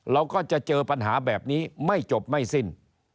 เราก็จะเจอปัญหาแบบนี้ไม่จบไม่สิ้น